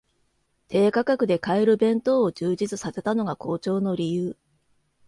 低価格で買える弁当を充実させたのが好調の理由